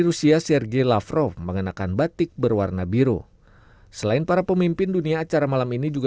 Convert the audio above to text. rusia sergei lavrov mengenakan batik berwarna biru selain para pemimpin dunia acara malam ini juga